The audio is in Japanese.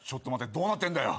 どうなってんだよ。